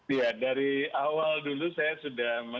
iya dari awal dulu saya sudah